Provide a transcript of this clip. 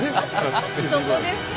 そこですか！